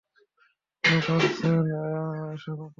কেনো করছেন এসব আপনি?